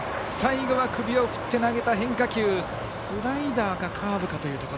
最後、首を振って投げた変化球はスライダーか、カーブか。